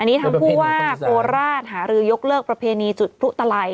อันนี้ทางผู้ว่าโคราชหารือยกเลิกประเพณีจุดพลุตลัย